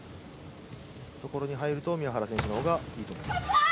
懐に入ると宮原選手のほうがいいと思います。